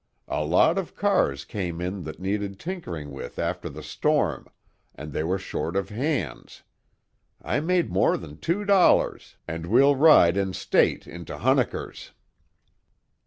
"A lot of cars came in that needed tinkering with after the storm, and they were short of hands. I made more than two dollars, and we'll ride in state into Hunnikers!"